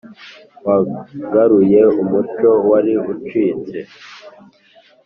Wagaruye umuco wari ucitse